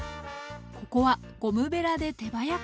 ここはゴムべらで手早く。